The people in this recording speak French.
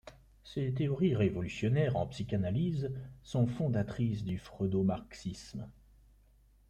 Ses théories révolutionnaires en psychanalyse sont fondatrices du freudo-marxisme.